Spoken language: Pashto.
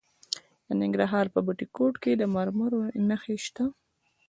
د ننګرهار په بټي کوټ کې د مرمرو نښې شته.